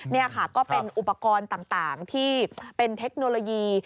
นี่ค่ะก็เป็นอุปกรณ์ต่างที่เป็นเทคโนโลยี